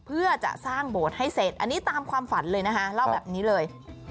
เพื่อจะสร้างโบสถ์ให้เสร็จอันนี้ตามความฝันเลยนะคะเล่าแบบนี้เลย